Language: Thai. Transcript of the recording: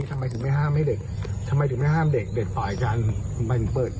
ทำไมถึงไม่ห้ามให้เด็กทำไมถึงไม่ห้ามเด็กเด็กต่อยกันทำไมถึงเปิด